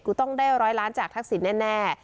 กูต้องได้๑๐๐ล้านจากทักษิตแน่